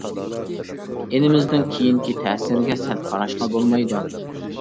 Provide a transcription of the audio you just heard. ئىنىمىزنىڭ كېيىنكى تەسىرىگە سەل قاراشقا بولمايدۇ.